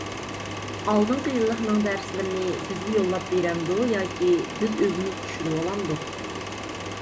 ئالدىنقى يىللىقنىڭ دەرسلىرىنى بىزگە يوللاپ بېرەمدۇ ياكى بىز ئۆزىمىز چۈشۈرۈۋالامدۇق؟